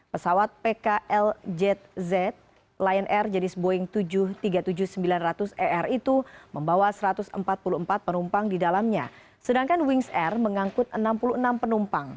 pesawat pklj lion air jenis boeing tujuh ratus tiga puluh tujuh sembilan ratus er itu membawa satu ratus empat puluh empat penumpang di dalamnya sedangkan wings air mengangkut enam puluh enam penumpang